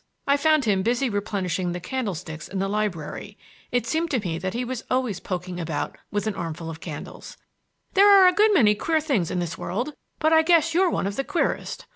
—I found him busy replenishing the candlesticks in the library,—it seemed to me that he was always poking about with an armful of candles,—"there are a good many queer things in this world, but I guess you're one of the queerest.